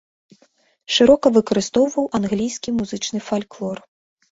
Шырока выкарыстоўваў англійскі музычны фальклор.